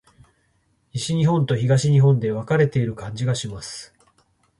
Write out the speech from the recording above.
西日本と東日本で分かれている感じがします。